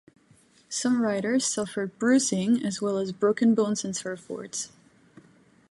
Some riders suffered bruising as well as broken bones and surf boards.